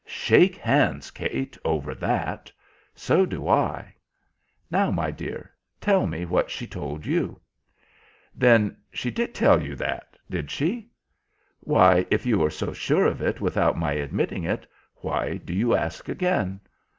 "Shake hands, Kate, over that. So do I. Now, my dear, tell me what she told you." "Then she did tell you that, did she?" "Why, if you are so sure of it without my admitting it, why do you ask again?"